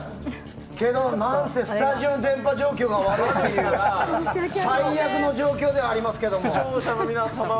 けど、なんせスタジオの電波状況が悪いから最悪の状況ではありますけど。